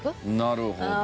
なるほど。